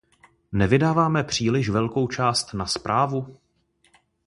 Nevydáváme příliš velkou část na správu?